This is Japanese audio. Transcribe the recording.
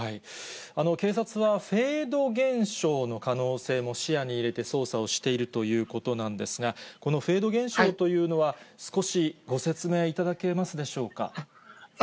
警察はフェード現象の可能性も視野に入れて捜査をしているということなんですが、このフェード現象というのは、少しご説明いただけますでしょうか。